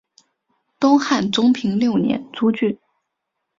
东汉中平六年诸郡。